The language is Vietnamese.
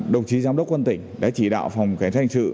đồng chí giám đốc quân tỉnh đã chỉ đạo phòng cảnh sát hành sự